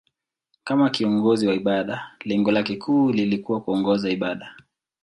Kama kiongozi wa ibada, lengo lake kuu lilikuwa kuongoza ibada.